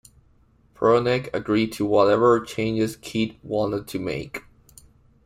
Proenneke agreed to whatever changes Keith wanted to make.